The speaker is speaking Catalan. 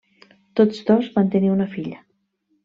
Tots dos van tenir una filla.